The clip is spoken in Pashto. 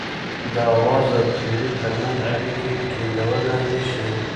د آواز او توري ترمنځ اړيکي ټيڼګولای نه شي